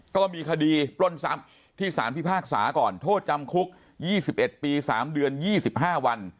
ก็มีคดีปล้นทรัพย์ที่สารพิพากษาก่อนโทษจำคุก๒๑ปี๓เดือน๒๕วัน